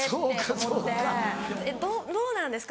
どうなんですか？